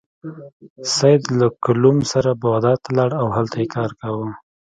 سید له کلوم سره بغداد ته لاړ او هلته یې کار کاوه.